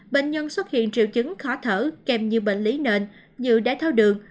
bệnh nhân xuất hiện triệu chứng khó thở kèm nhiều bệnh lý nền như đáy tháo đường